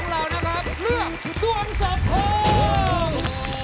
เลือกตัวอันสอบโฟง